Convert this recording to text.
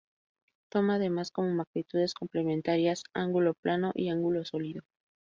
Toma además como magnitudes complementarias: ángulo plano y ángulo sólido.